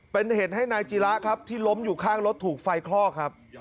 เป็นเหตุให้นายจีระครับที่ล้มอยู่ข้างรถถูกไฟคลอกครับ